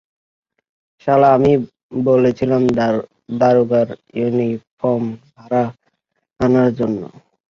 শালা, আমি বলেছিলাম, দারোগার ইউনিফর্ম ভাড়া আনার জন্য।